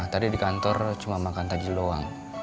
tadi di kantor cuma makan tagi loang